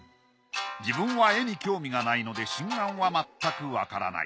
自分は絵に興味がないので真贋はまったくわからない。